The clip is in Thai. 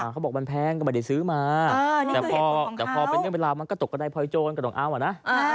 เขาบอกว่ามันแพงก็ไม่ได้ซื้อมาแต่พอเป็นเวลามันก็ตกกระดายพลอยโจรกระดองอ้าวอะนะ